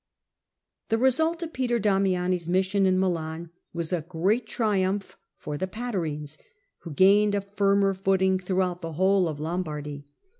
The result of Peter Damiani's mission in Milan was a great triumph for the Patarines, who gained a firmer footing throughout the whole of Lombardy.